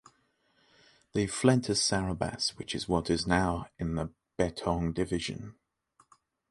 They fled to Saribas which is what is now in the Betong Division.